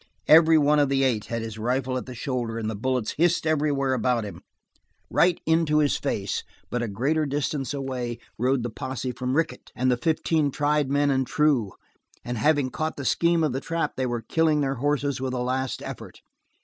Every one of the eight had his rifle at the shoulder and the bullets hissed everywhere about him. Right into his face, but a greater distance away, rode the posse from Rickett, the fifteen tried men and true; and having caught the scheme of the trap they were killing their horses with a last effort.